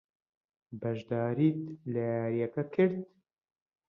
بەشداریت لە یارییەکە کرد؟